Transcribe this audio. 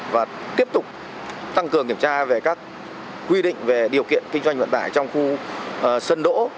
và tiếp tục tăng cường kiểm tra về các quy định về điều kiện kinh doanh vận tải trong khu sân đỗ